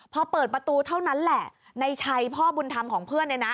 พอเปิดประตูเท่านั้นแหละในชัยพ่อบุญธรรมของเพื่อนเนี่ยนะ